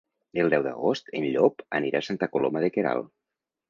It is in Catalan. El deu d'agost en Llop anirà a Santa Coloma de Queralt.